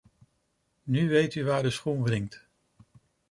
Nu weet u waar de schoen wringt.